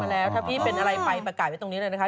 แล้วถ้าพี่เป็นอะไรไปประกาศไว้ตรงนี้เลยนะคะ